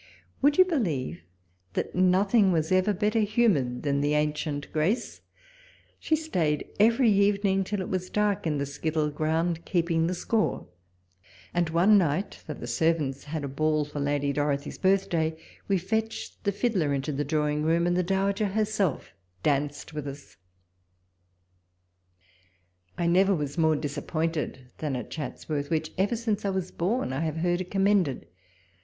Would you believe that nothing was ever better humoured than the ancient Grace t She stayed every evening till it was dark in the skittle ground, keeping the score ; and one night, that the servants had a ball for Lady Dorothy's bii thday, we fetched the fiddler into the drawing room, and the dowager herself danced with us ! I never was more disappointed than at Chatswoi'th, which, ever since I w as born, I have condemned.